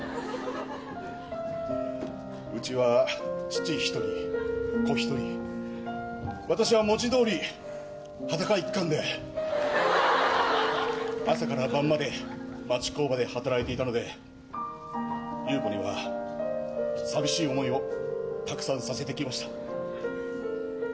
うちは父一人、子一人、私は文字どおり、裸一貫で、朝から晩まで町工場で働いていたので、ゆうこには寂しい思いをたくさんさせてきました。